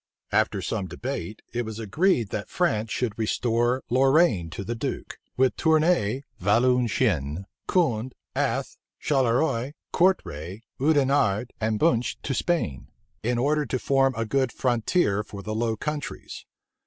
After some debate, it was agreed, that France should restore Lorraine to the duke; with Tournay, Valenciennes, Condé, Aeth, Charleroi, Courtray, Oudenarde, and Binche to Spain, in order to form a good frontier for the Low Countries.